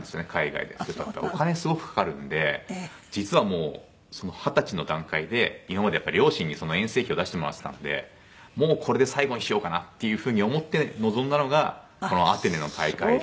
するとお金すごくかかるので実はもう二十歳の段階で今までやっぱり両親に遠征費を出してもらってたのでもうこれで最後にしようかなっていう風に思って臨んだのがこのアテネの大会で。